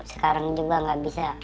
sekarang juga gak bisa